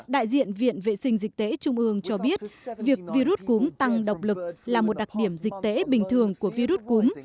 đại diện viện vệ sinh dịch tễ trung ương cho biết việc virus cúm tăng độc lực là một đặc điểm dịch tễ bình thường của virus cúm